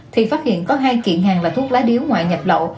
thì phát hiện có hai kiện hàng là thuốc lá điếu ngoại nhập lậu